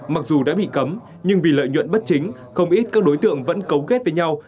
mặc dù đã bị cấm nhưng vì lợi nhuận bất chính không ít các đối tượng vẫn cấu kết với nhau